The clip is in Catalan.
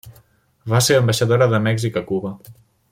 Va ser ambaixadora de Mèxic a Cuba.